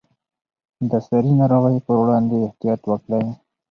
د ساري ناروغیو پر وړاندې احتیاط وکړئ.